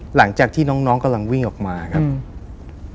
หลังจากที่น้องกำลังวิ่งออกมาครับ